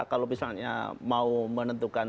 kalau misalnya mau menentukan